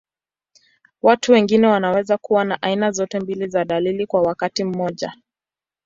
Watu wengine wanaweza kuwa na aina zote mbili za dalili kwa wakati mmoja.